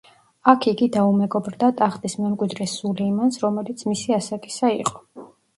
აქ იგი დაუმეგობრდა ტახტის მემკვიდრე სულეიმანს, რომელიც მისი ასაკისა იყო.